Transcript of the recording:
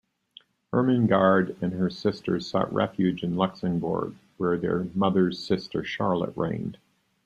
Irmingard and her sisters sought refuge in Luxembourg, where their mother's sister Charlotte reigned.